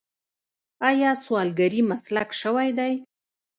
آیا سوالګري مسلک شوی دی؟